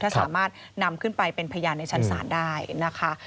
ถ้าสามารถนำขึ้นไปเป็นพยานในชั้นศาลได้นะคะ